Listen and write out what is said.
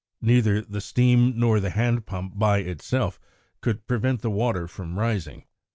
Neither the steam nor the hand pump, by itself, could prevent the water from rising.